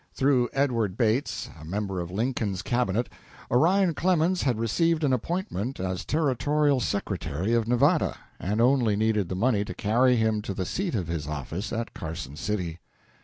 Through Edward Bates, a member of Lincoln's Cabinet, Orion Clemens had received an appointment as territorial secretary of Nevada, and only needed the money to carry him to the seat of his office at Carson City.